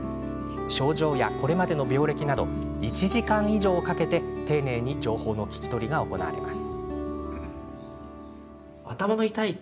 症状や、これまでの病歴など１時間以上かけて、丁寧に情報の聞き取りが行われます。